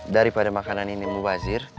daripada makanan ini mubazir